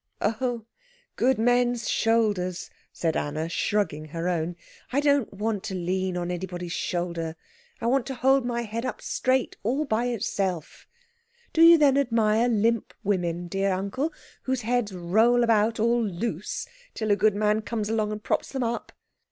"Oh good men's shoulders," said Anna, shrugging her own, "I don't want to lean on anybody's shoulder. I want to hold my head up straight, all by itself. Do you then admire limp women, dear uncle, whose heads roll about all loose till a good man comes along and props them up?"